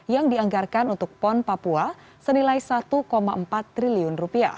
yang dianggarkan untuk pon papua senilai rp satu empat triliun